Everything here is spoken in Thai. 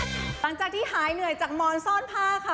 หลังจากที่หายเหนื่อยจากมอนซ่อนผ้าค่ะ